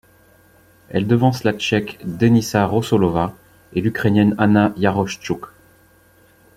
Elle devance la Tchèque Denisa Rosolová et l'ukrainienne Anna Yaroshchuk.